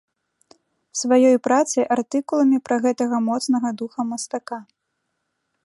Сваёй працай, артыкуламі пра гэтага моцнага духам мастака.